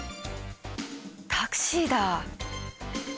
タクシーだ！